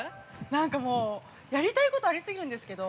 なんかもうやりたいことあり過ぎるんですけど。